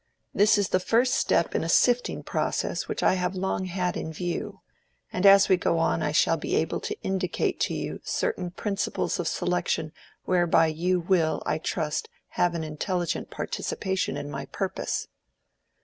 This is the first step in a sifting process which I have long had in view, and as we go on I shall be able to indicate to you certain principles of selection whereby you will, I trust, have an intelligent participation in my purpose."